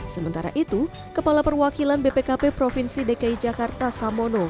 sementara itu kepala perwakilan bpkp provinsi dki jakarta samono